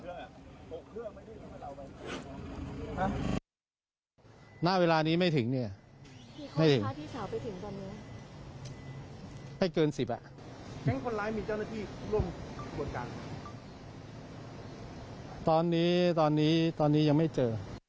ตอนนี้ตอนนี้ตอนนี้ยังไม่เจอ